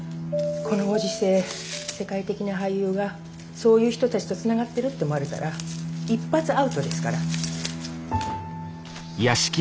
このご時世世界的な俳優がそういう人たちとつながってるって思われたら一発アウトですから。